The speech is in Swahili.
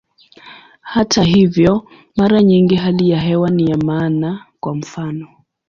Hata hivyo, mara nyingi hali ya hewa ni ya maana, kwa mfano.